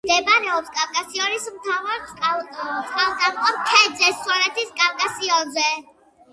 მდებარეობს კავკასიონის მთავარ წყალგამყოფ ქედზე, სვანეთის კავკასიონზე.